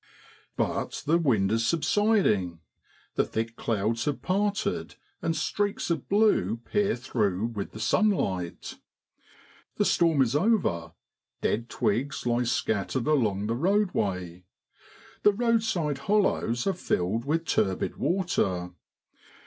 But the wind is subsiding, the thick clouds have parted, and streaks of blue peer through with the sunlight. The storm is over, dead twigs lie scattered along the roadway. The roadside hollows are filled with turbid water.